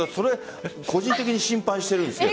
個人的に心配しているんですけどね。